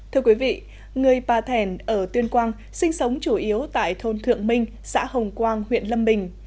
thưa quý vị người pà thèn ở tuyên quang sinh sống chủ yếu tại thôn thượng minh xã hồng quang huyện lâm bình